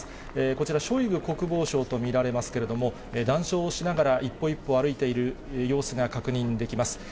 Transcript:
こちら、ショイグ国防相と見られますけれども、談笑をしながら、一歩一歩歩いている様子が確認できます。